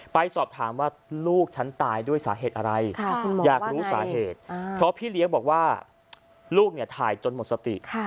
ไปสอบถามว่าลูกฉันตายด้วยสาเหตุอะไรอยากรู้สาเหตุเพราะพี่เลี้ยงบอกว่าลูกเนี่ยถ่ายจนหมดสติ